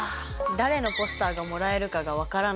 誰のポスターがもらえるかが分からないんですね。